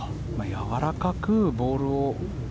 やわらかくボールを。